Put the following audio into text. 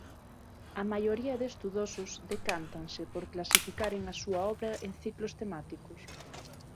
A maioría de estudosos decántanse por clasificaren a súa obra en ciclos temáticos.